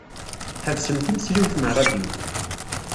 Tḥebsem timesliwt n ṛṛadyu.